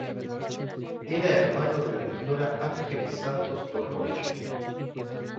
Era hermano de la pintora Ángeles Santos Torroella.